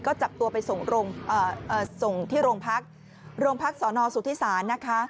ก็จับตัวไปส่งที่โรงพักโรงพักสอนอสุทธิศาลนะคะ